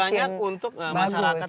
semakin banyak untuk masyarakat